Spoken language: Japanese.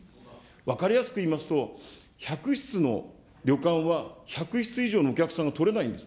分かりやすく言いますと、１００室の旅館は１００室以上のお客さんが取れないんです。